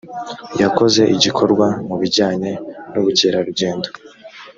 yakoze igikorwa mu bijyanye n’ubukerarugendo